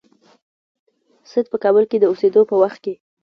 سید په کابل کې د اوسېدلو په وخت کې.